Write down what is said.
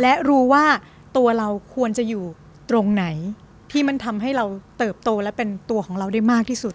และรู้ว่าตัวเราควรจะอยู่ตรงไหนที่มันทำให้เราเติบโตและเป็นตัวของเราได้มากที่สุด